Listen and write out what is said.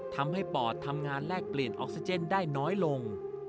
ปอดทำงานแลกเปลี่ยนออกซิเจนได้น้อยลง